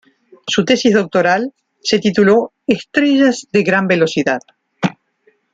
Su tesis doctoral se tituló "Estrellas de gran velocidad".